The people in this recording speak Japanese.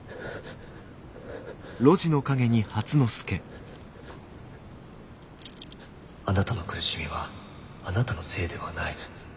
回想あなたの苦しみはあなたのせいではない。